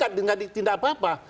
tidak ditindak apa apa